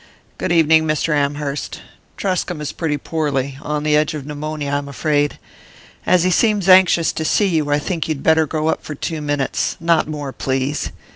"Good evening, Mr. Amherst. Truscomb is pretty poorly on the edge of pneumonia, I'm afraid. As he seems anxious to see you I think you'd better go up for two minutes not more, please."